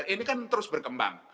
ini kan terus berkembang